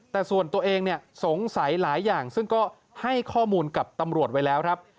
แต่ส่วนตัวเองสงสัยหลายอย่างซึ่งก็ให้ข้อมูลกับตำรวจไว้แล้วครับ